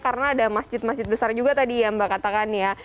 karena ada masjid masjid besar juga tadi yang mbak katakan ya